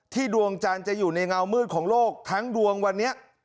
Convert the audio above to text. ดวงจันทร์จะอยู่ในเงามืดของโลกทั้งดวงวันนี้